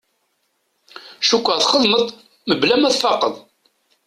Cukkeɣ txedmeḍ-t mebla ma tfaqeḍ.